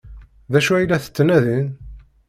D acu ay la ttnadin?